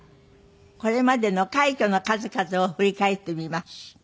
これまでの快挙の数々を振り返ってみます。